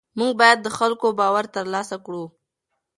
موږ باید د خلکو باور ترلاسه کړو.